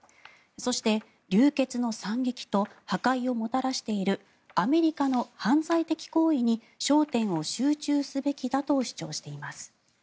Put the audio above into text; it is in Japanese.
そして、流血の惨劇と破壊をもたらしているアメリカの犯罪的行為に焦点を集中すべきだと主張しています。